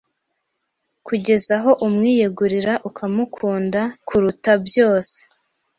kugeza aho umwiyegurira ukamukunda kuruta byose